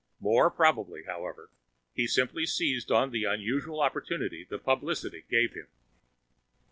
More probably, however, he simply seized on the unusual opportunity the publicity gave him.